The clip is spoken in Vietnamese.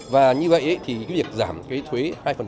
và như vậy thì việc giảm thuế hai